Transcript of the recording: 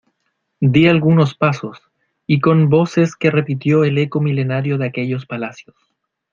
di algunos pasos, y con voces que repitió el eco milenario de aquellos palacios